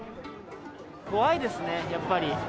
怖いですね、やっぱり。